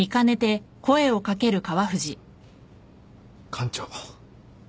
館長。